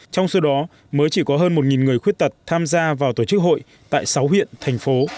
trong số đó mới chỉ có hơn một người khuyết tật tham gia vào tổ chức hội tại sáu huyện thành phố